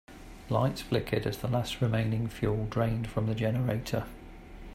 Lights flickered as the last remaining fuel drained from the generator.